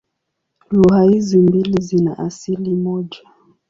Lugha hizi mbili zina asili moja.